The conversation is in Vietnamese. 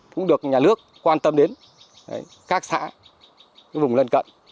cũng được nhà nước quan tâm đến các xã vùng lân cận